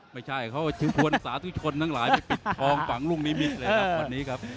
ไม่ใช่เขาถือชวนสาธุชนทั้งหลายไปปิดทองฝังลูกนิมิเลยครับวันนี้ครับ